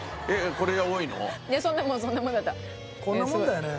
こんなもんだよね。